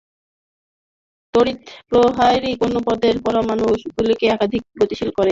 তড়িৎপ্রবাহই কোন পদার্থের পরমাণুগুলিকে একদিকে গতিশীল করে।